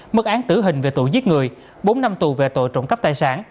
mức án tử hình về tội giết người bốn năm tù về tội trộm cắp tài sản